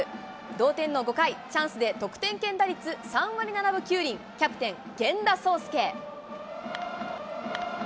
同点の５回、チャンスで得点圏打率３割７分９厘、キャプテン、源田壮亮。